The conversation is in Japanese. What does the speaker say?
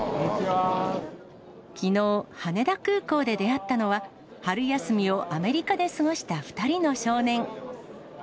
きのう、羽田空港で出会ったのは、春休みをアメリカで過ごした２人の少年。